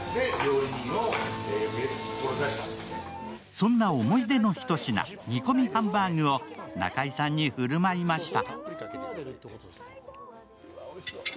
そんな思い出の一品煮込みハンバーグを中居さんに振る舞いました。